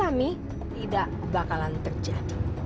tapi mami tidak bakalan terjadi